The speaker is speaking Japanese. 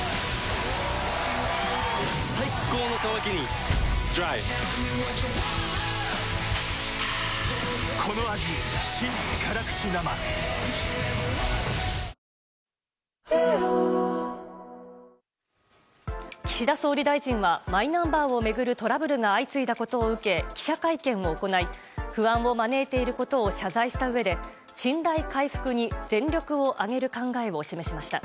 最高の渇きにＤＲＹ岸田総理大臣はマイナンバーを巡るトラブルが相次いだことを受け記者会見を行い不安を招いていることを謝罪したうえで信頼回復に全力を挙げる考えを示しました。